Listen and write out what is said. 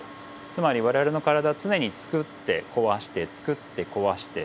つまり我々の体は常につくって壊してつくって壊して。